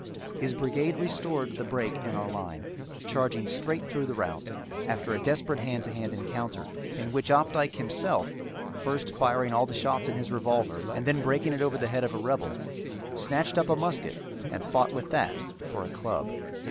His brigade restored the break in our line, charging straight through the rout, after a desperate hand to hand encounter in which Opdycke himself, first firing all the shots in his revolver and then breaking it over the head of a rebel, snatched up a musket and fought with that for a club.